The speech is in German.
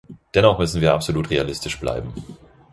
Dennoch müssen wir absolut realistisch bleiben.